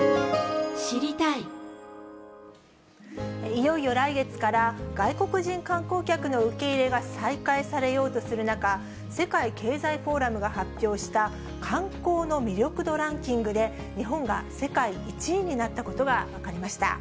いよいよ来月から、外国人観光客の受け入れが再開されようとする中、世界経済フォーラムが発表した観光の魅力度ランキングで、日本が世界１位になったことが分かりました。